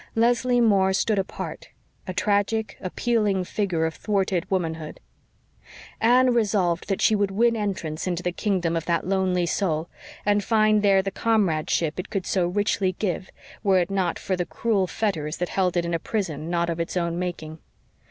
Leslie Moore stood apart, a tragic, appealing figure of thwarted womanhood. Anne resolved that she would win entrance into the kingdom of that lonely soul and find there the comradeship it could so richly give, were it not for the cruel fetters that held it in a prison not of its own making.